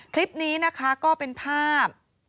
คลิปนี้นะคะก็เป็นภาพ